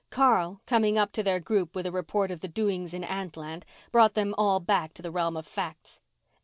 Carl, coming up to their group with a report of the doings in ant land, brought them all back to the realm of facts.